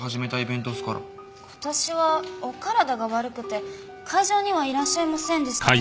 今年はお体が悪くて会場にはいらっしゃいませんでしたけど。